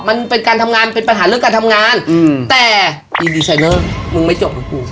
มันเป็นการทำงานเป็นปัญหาเรื่องการทำงานอืมแต่อีดีไซเนอร์มึงไม่จบนะกู